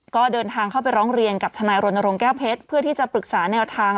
ก็เดินทางเข้าไปร้องเรียนกับทนายรณรงค์แก้วเพชรเพื่อที่จะปรึกษาแนวทาง